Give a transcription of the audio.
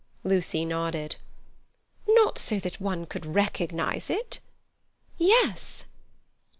Lucy nodded. "Not so that one could recognize it. Yes."